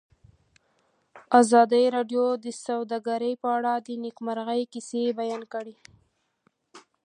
ازادي راډیو د سوداګري په اړه د نېکمرغۍ کیسې بیان کړې.